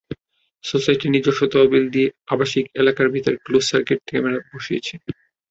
Society নিজস্ব তহবিল দিয়ে আবাসিক এলাকার ভেতরে ক্লোজড সার্কিট ক্যামেরা বসিয়েছে।